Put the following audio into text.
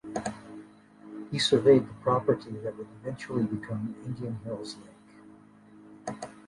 He surveyed the property that would eventually become Indian Hills Lake.